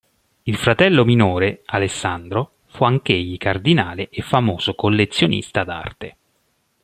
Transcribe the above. Il fratello minore, Alessandro, fu anch'egli cardinale e famoso collezionista d'arte.